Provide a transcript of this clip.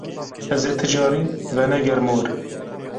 Ez ê ti carî venegerim wir.